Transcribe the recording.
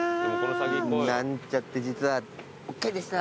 なんちゃって実はＯＫでした！